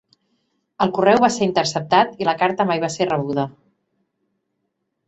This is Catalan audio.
El correu va ser interceptat i la carta mai va ser rebuda.